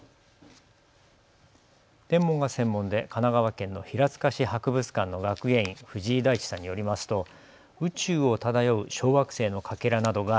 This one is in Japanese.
天文が専門で神奈川県の平塚市博物館の学芸員、藤井大地さんによりますと宇宙を漂う小惑星のかけらなどが